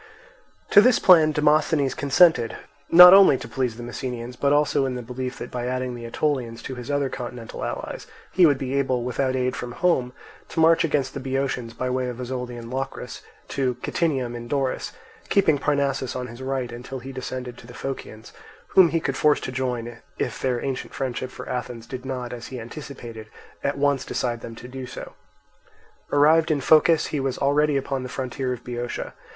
To this plan Demosthenes consented, not only to please the Messenians, but also in the belief that by adding the Aetolians to his other continental allies he would be able, without aid from home, to march against the Boeotians by way of Ozolian Locris to Kytinium in Doris, keeping Parnassus on his right until he descended to the Phocians, whom he could force to join him if their ancient friendship for Athens did not, as he anticipated, at once decide them to do so. Arrived in Phocis he was already upon the frontier of Boeotia.